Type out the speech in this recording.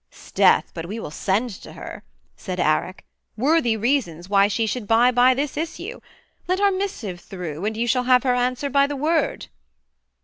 ''Sdeath! but we will send to her,' Said Arac, 'worthy reasons why she should Bide by this issue: let our missive through, And you shall have her answer by the word.'